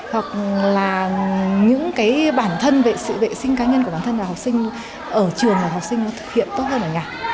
hoặc là những cái bản thân sự vệ sinh cá nhân của bản thân là học sinh ở trường là học sinh thực hiện tốt hơn ở nhà